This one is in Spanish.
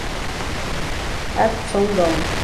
At Sundown.